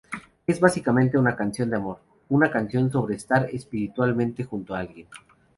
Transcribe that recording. Es básicamente una canción de amor, una canción sobre estar espiritualmente junto a alguien".